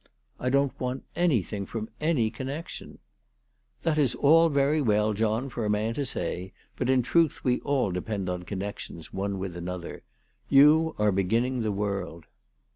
" I don't want anything from any connection/' " That is all very well, John, for a man to say ; but in truth we all depend on connections one with another. You are beginning the world."